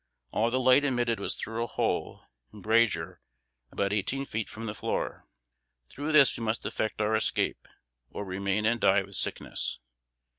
All the light admitted was through a hole (embrasure) about eighteen feet from the floor. Through this we must effect our escape, or remain and die with sickness.